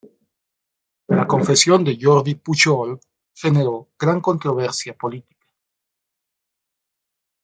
La confesión de Jordi Pujol generó gran controversia política.